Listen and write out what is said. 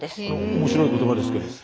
面白い言葉ですけど。